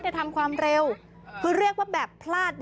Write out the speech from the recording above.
ทำความเร็วคือเรียกว่าแบบพลาด